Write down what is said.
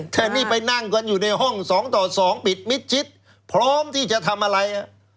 แต่นี่ไปนั่งกันอยู่ในห้อง๒ต่อ๒ปิดมิดชิดพร้อมที่จะทำอะไร